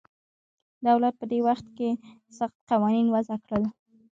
دولت په دې وخت کې سخت قوانین وضع کړل